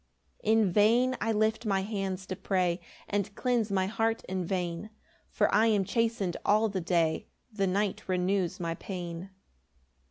4 "In vain I lift my hands to pray, "And cleanse my heart in vain, "For I am chasten'd all the day, "The night renews my pain.'